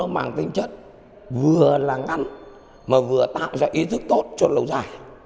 bằng tính chất vừa là ngắn mà vừa tạo ra ý thức tốt cho lâu dài